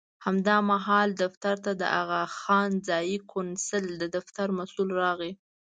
همدا مهال دفتر ته د اغاخان ځایي کونسل د دفتر مسوول راغی.